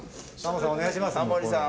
タモリさん